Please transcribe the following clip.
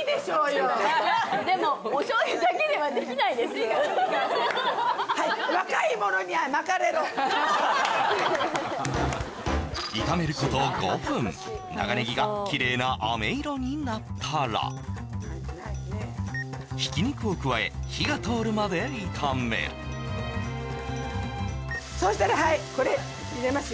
これを作る時には炒めること５分長ネギが綺麗な飴色になったらひき肉を加え火が通るまで炒めるそしたらはいこれ入れますよ